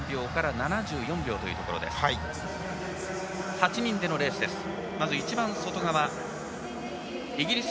８人でのレース。